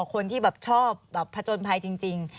คนที่แบบชอบแบบผจญภัยจริง